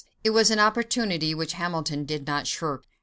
It was an opportunity which Hamilton did not shirk.